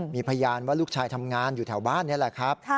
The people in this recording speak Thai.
มีพยานว่าลูกชายทำงานอยู่แถวบ้านนี่แหละครับ